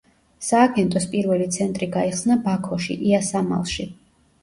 სააგენტოს პირველი ცენტრი გაიხსნა ბაქოში, იასამალში.